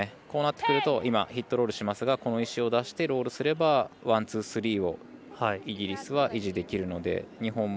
こうなってくるとヒットロールしますがこの石を出してロールすればワン、ツー、スリーをイギリスは維持できるので日本